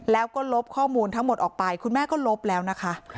แล้วก็ลบข้อมูลทั้งหมดออกไปคุณแม่ก็ลบแล้วนะคะ